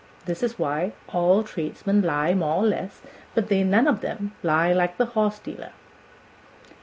This is why all Tradesmen lie more or less, but they none of them lie like a horse dealer.